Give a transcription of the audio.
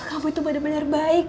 kamu itu bener bener baik